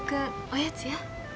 おやつや。